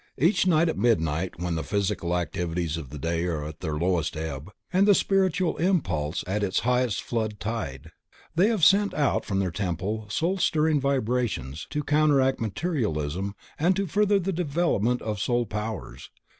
Each night at midnight when the physical activities of the day are at their lowest ebb, and the spiritual impulse at its highest flood tide, they have sent out from their temple soul stirring vibrations to counteract materialism and to further the development of soul powers.